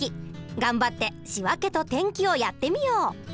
頑張って仕訳と転記をやってみよう。